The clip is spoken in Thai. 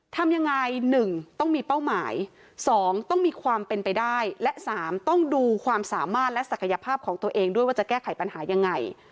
ทำยังไง๑ต้องมีเป้าหมาย๒ต้องมีความเป็นไปได้และ๓ต้องดูความสามารถและศักยภาพของตัวเองด้วยว่าจะแก้ไขปัญหายังไง